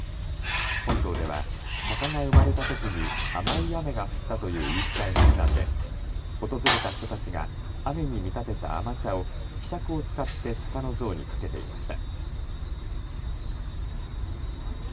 本堂では釈迦が生まれたときに甘い雨が降ったという言い伝えにちなんで訪れた人たちが雨に見立てた甘茶をひしゃくを使って釈迦の像にかけていました。